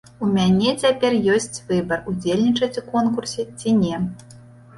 У мяне цяпер ёсць выбар, удзельнічаць у конкурсе, ці не.